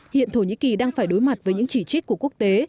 hiện thổ nhĩ kỳ đang phải đối mặt với những chỉ trích của quốc tế